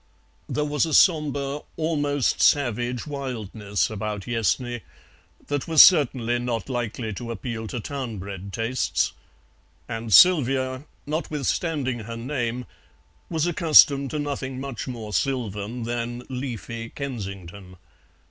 There was a sombre almost savage wildness about Yessney that was certainly not likely to appeal to town bred tastes, and Sylvia, notwithstanding her name, was accustomed to nothing much more sylvan than "leafy Kensington."